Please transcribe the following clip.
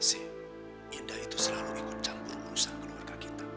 indah itu selalu ikut campur urusan keluarga kita